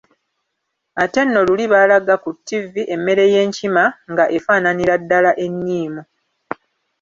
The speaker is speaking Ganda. Ate nno luli baalaga ku ttivi emmere y'enkima nga efaananira ddala enniimu.